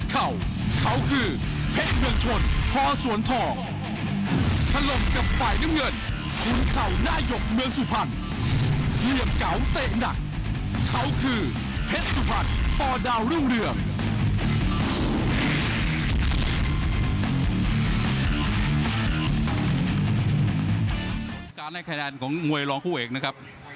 การให้คะแนนของมวยรองคู่เอกนะครับ